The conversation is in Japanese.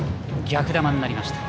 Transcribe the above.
逆球になりました。